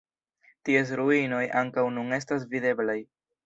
Ties ruinoj ankaŭ nun estas videblaj.